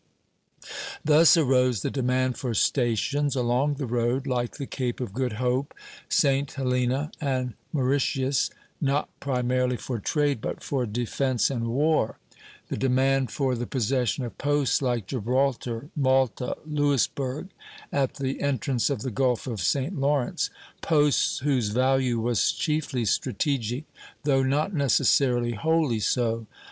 Thus arose the demand for stations along the road, like the Cape of Good Hope, St. Helena, and Mauritius, not primarily for trade, but for defence and war; the demand for the possession of posts like Gibraltar, Malta, Louisburg, at the entrance of the Gulf of St. Lawrence, posts whose value was chiefly strategic, though not necessarily wholly so.